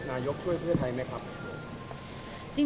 นายกช่วยเพื่อไทยไหมครับ